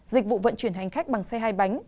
dịch vụ vận chuyển hành khách bằng xe hai bánh